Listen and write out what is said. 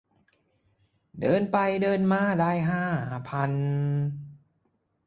เดินไปเดินมาได้ห้าพัน